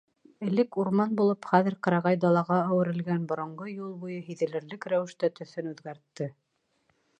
Элек урман булып, хәҙер ҡырағай далаға әүерелгән боронғо юл буйы һиҙелерлек рәүештә төҫөн үҙгәртте.